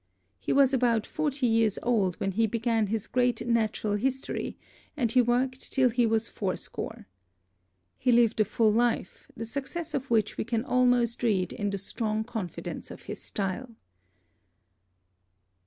He was about forty years old when he began his great Natural History, and he worked till he was fourscore. He lived a full life, the success of which we can almost read in the strong con fidence of his style.